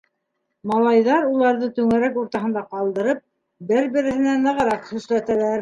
Малайҙар уларҙы түңәрәк уртаһында ҡалдырып, бер-береһенә нығыраҡ һөсләтәләр...